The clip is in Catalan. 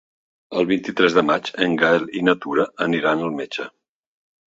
El vint-i-tres de maig en Gaël i na Tura aniran al metge.